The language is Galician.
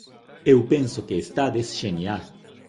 Eu penso que estades xenial.